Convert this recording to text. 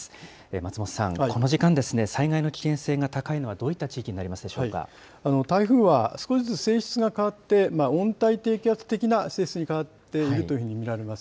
松本さん、この時間、災害の危険性が高いのは、どういった地域に台風は少しずつ性質が変わって、温帯低気圧的な性質に変わっていると見られます。